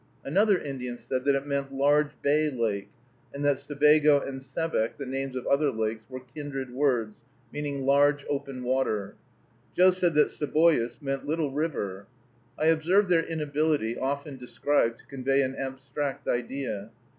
Another Indian said, that it meant Large Bay Lake, and that Sebago and Sebec, the names of other lakes, were kindred words, meaning large open water. Joe said that Seboois meant Little River. I observed their inability, often described, to convey an abstract idea.